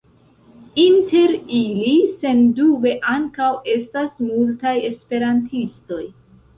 Inter ili sendube ankaŭ estas multaj esperantistoj.